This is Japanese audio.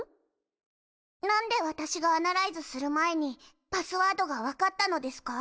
何で私がアナライズする前にパスワードが分かったのですか？